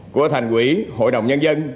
của thành quỹ hội đồng nhân dân